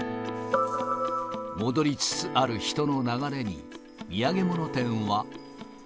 戻りつつある人の流れに、土産物店は。